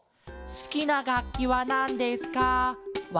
「すきながっきはなんですか？